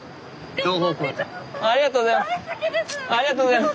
ありがとうございます。